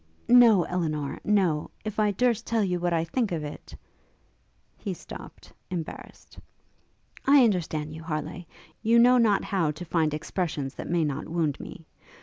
'No, Elinor, no! if I durst tell you what I think of it ' He stopt, embarrassed. 'I understand you, Harleigh; you know not how to find expressions that may not wound me?